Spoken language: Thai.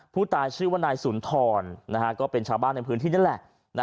ผู้ตายชื่อว่านายสุนทรก็เป็นชาวบ้านในพื้นที่นั่นแหละ